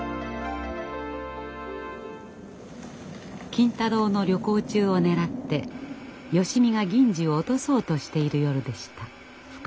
金太郎の旅行中を狙って芳美が銀次を落とそうとしている夜でした。